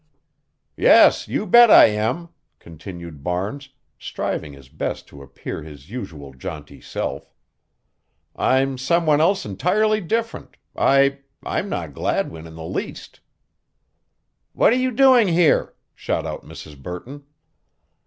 "Yes, you bet I am," continued Barnes, striving his best to appear his usual jaunty self. "I'm some one else entirely different I I'm not Gladwin in the least." "What are you doing here?" shot out Mrs. Burton.